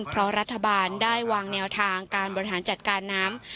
เพราะรัฐบาลได้วางแนวทางการบริหารจัดการน้ำ